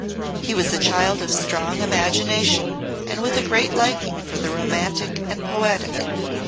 He was a child of strong imagination and with a great liking for the romantic and poetic.